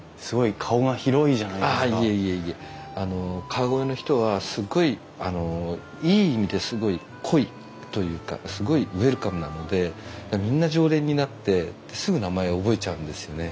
川越の人はすごいいい意味ですごい濃いというかすごいウェルカムなのでみんな常連になってすぐ名前を覚えちゃうんですよね。